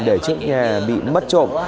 để trước nhà bị mất trộm